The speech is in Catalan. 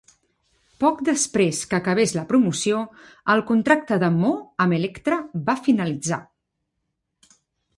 Poc després que acabés la promoció, el contracte de Mo amb Elektra va finalitzar.